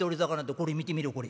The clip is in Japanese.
「これ見てみろこれ。